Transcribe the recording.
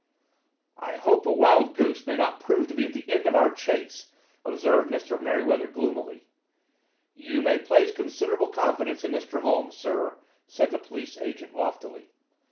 "I hope a wild goose may not prove to be the end of our chase," observed Mr. Merryweather gloomily. "You may place considerable confidence in Mr. Holmes, sir," said the police agent loftily.